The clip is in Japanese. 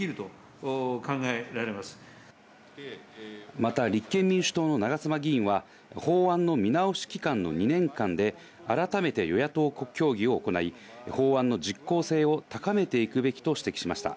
また立憲民主党の長妻議員は、法案の見直し期間の２年間で改めて与野党協議を行い、法案の実効性を高めていくべきと指摘しました。